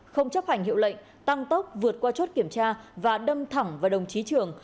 không chấp hành hiệu lệnh tăng tốc vượt qua chốt kiểm tra và đâm thẳng vào đồng chí trường